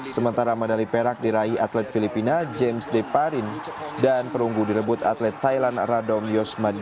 sementara medali perak diraih atlet filipina james deparin dan perunggu direbut atlet thailand radom yosmadi